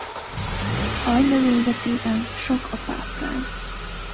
Aljnövényzetében sok a páfrány.